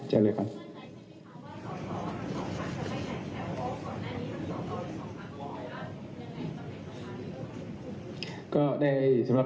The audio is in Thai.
คุณทศก่อนครับ